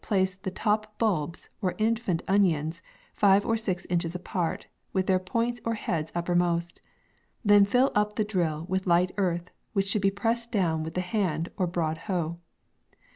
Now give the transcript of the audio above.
place the top bulbs, or infant onions, fire or nches apart, with their points or heads uppermost ; then fill up the drill with light ea rth, which sh :>uld be pressed down with the hand or broad hoe.